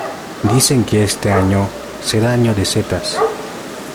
Dicen que este año será año de setas.